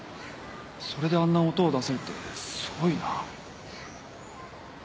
それであんな音を出せるってすごいな。